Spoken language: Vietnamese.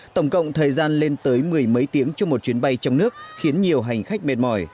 tổng cộng thời gian lên tới mười mấy tiếng cho một chuyến bay trong nước khiến nhiều hành khách mệt mỏi